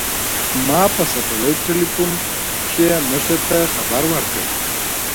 ما په سټلايټ ټېلفون کښې مشر ته خبر وركړ.